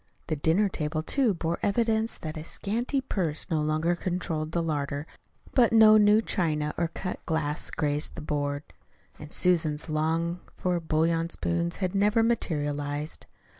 The dinner table, too, bore evidence that a scanty purse no longer controlled the larder, but no new china or cut glass graced the board, and Susan's longed for bouillon spoons had never materialized.